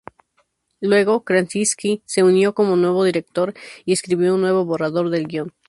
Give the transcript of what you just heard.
Luego, Krasinski se unió como director y escribió un nuevo borrador del guion.